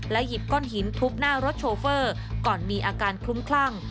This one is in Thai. หยิบก้อนหินทุบหน้ารถโชเฟอร์ก่อนมีอาการคลุ้มคลั่ง